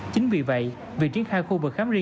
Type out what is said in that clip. chính vì vậy việc triển khai khu vực khám riêng